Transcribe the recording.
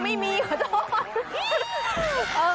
ไม่มีขอโทษ